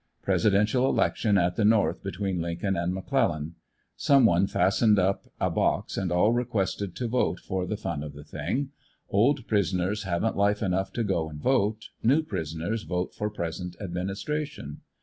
Presidential election at the North between Lincoln and McClellan. Some one fastened up a box, and all requested to vote, for the fun of the thing. Old pris oners haven't life enough to go and vote; new prisoners vote for present administration.